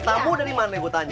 tabu dari mana gue tanya